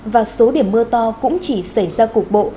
và số điểm mưa to cũng chỉ xảy ra cục bộ